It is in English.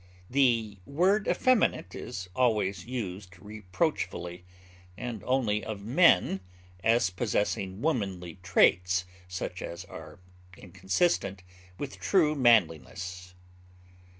The word effeminate is always used reproachfully, and only of men as possessing womanly traits such as are inconsistent with true manliness.